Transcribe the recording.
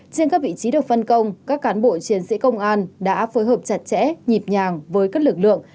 trên các vị trí được phân công các cán bộ chiến sĩ công an đã phối hợp chặt chẽ nhịp nhàng với các lực lượng